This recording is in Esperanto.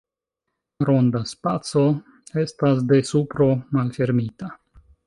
Ronda spaco estas de supro malfermita.